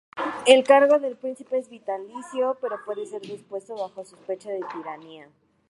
El cargo de príncipe es vitalicio, pero puede ser depuesto bajo sospecha de tiranía.